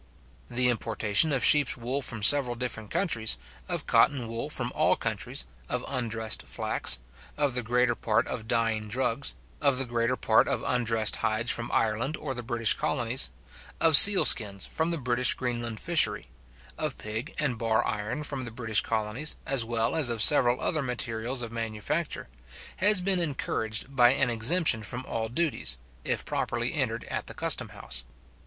The importation of sheep's wool from several different countries, of cotton wool from all countries, of undressed flax, of the greater part of dyeing drugs, of the greater part of undressed hides from Ireland, or the British colonies, of seal skins from the British Greenland fishery, of pig and bar iron from the British colonies, as well as of several other materials of manufacture, has been encouraged by an exemption from all duties, if properly entered at the custom house.